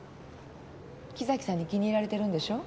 木崎さんに気に入られてるんでしょ？